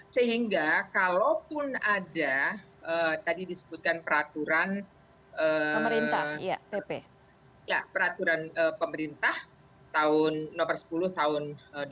sehingga kalaupun ada tadi disebutkan peraturan pemerintah tahun no sepuluh tahun seribu sembilan ratus delapan puluh tiga